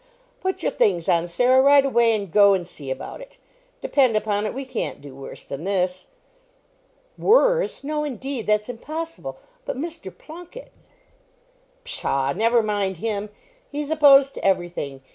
"Put your things on, Sarah, right away, and go and see about it. Depend upon it, we can't do worse than this." "Worse! No, indeed, that's impossible. But Mr. Plunket!" "Pshaw! never mind him; he's opposed to every thing.